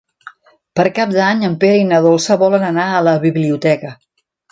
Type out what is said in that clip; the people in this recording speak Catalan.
Per Cap d'Any en Pere i na Dolça volen anar a la biblioteca.